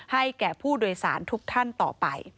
แก่ผู้โดยสารทุกท่านต่อไป